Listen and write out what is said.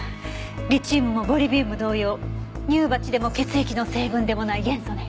リチウムもボリビウム同様乳鉢でも血液の成分でもない元素ね。